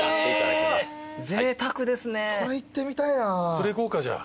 それいこうかじゃあ。